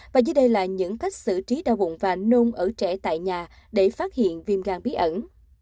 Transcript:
và dưới đây là những cách xử trí đau bụng và nôn ở trẻ tại nhà để phát hiện viêm gan bí ẩn